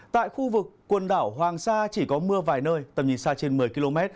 tại khu vực quần đảo hoàng sa chỉ có mưa vài nơi tầm nhìn xa trên một mươi km